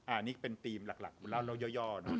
อันนี้เป็นธีมหลักเล่าย่อนะ